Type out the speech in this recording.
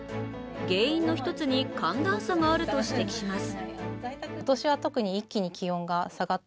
原因の一つに寒暖差があると指摘します。